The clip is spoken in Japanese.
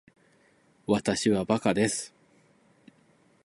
わたしはバカです